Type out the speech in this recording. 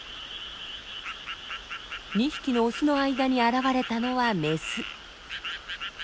２匹のオスの間に現れたのはメス。